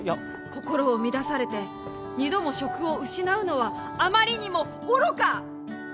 心を乱されて２度も職を失うのはあまりにも愚か！